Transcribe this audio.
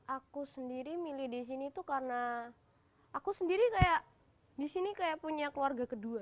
aku sendiri milih disini itu karena aku sendiri kayak disini kayak punya keluarga kedua